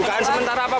dugaan sementara apa bu